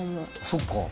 そっか。